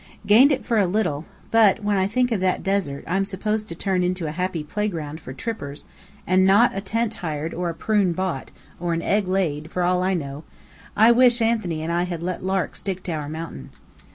Gained it for a little; but when I think of that desert I'm supposed to turn into a happy playground for trippers, and not a tent hired or a prune bought, or an egg laid, for all I know, I wish Anthony and I had let Lark stick to our mountain.